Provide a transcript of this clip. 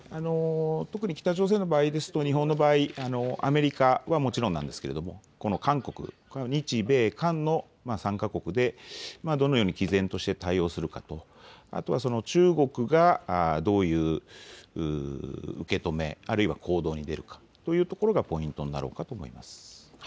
特に北朝鮮の場合ですと日本の場合、アメリカはもちろんなんですけれども韓国、日米韓の３か国でどのようにきぜんとして対応するかとあとは中国がどういう受け止め、あるいは行動に出るか、こういうところがポイントになろうかと思います。